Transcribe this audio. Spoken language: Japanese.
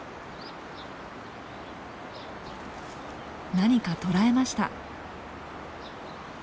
何か捕らえました。